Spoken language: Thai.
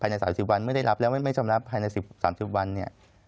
ภายใน๓๐วันไม่ได้รับแล้วไม่ได้รับภายใน๓๐วันเนี่ย